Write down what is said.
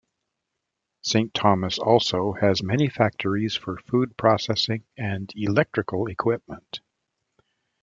Saint Thomas also has many factories for food processing and electrical equipment.